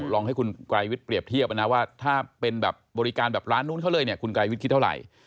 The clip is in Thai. ลองให้คุณไกรวิทย์เปรียบเทียบนะว่าถ้าเป็นแบบบริการแบบร้านนู้นเขาเลยเนี่ยคุณไกรวิทย์คิดเท่าไหร่